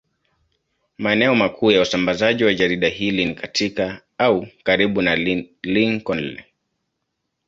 Maeneo makuu ya usambazaji wa jarida hili ni katika au karibu na Lincoln.